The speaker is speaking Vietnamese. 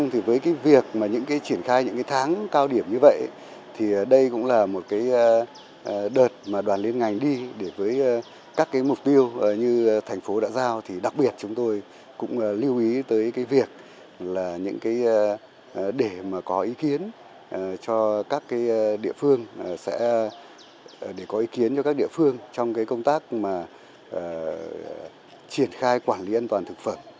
trong đợt đoàn liên ngành đi với các mục tiêu như thành phố đã giao đặc biệt chúng tôi cũng lưu ý tới việc để có ý kiến cho các địa phương trong công tác triển khai quản lý an toàn thực phẩm